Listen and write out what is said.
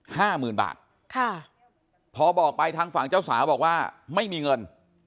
ห้าหมื่นบาทค่ะพอบอกไปทางฝั่งเจ้าสาวบอกว่าไม่มีเงิน